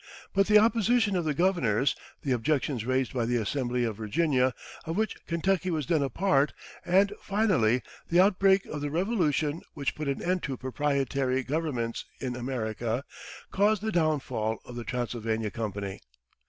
But the opposition of the governors, the objections raised by the Assembly of Virginia, of which Kentucky was then a part, and finally, the outbreak of the Revolution, which put an end to proprietary governments in America, caused the downfall of the Transylvania Company.